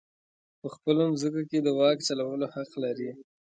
په خپلو مځکو کې د واک چلولو حق لري.